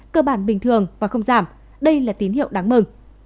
cơ bản bình thường và không giảm đây là tín hiệu đáng mừng